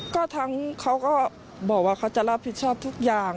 ก็ทั้งเขาก็บอกว่าเขาจะรับผิดชอบทุกอย่าง